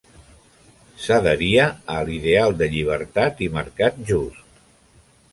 S'adheria a l'ideal de llibertat i mercat just.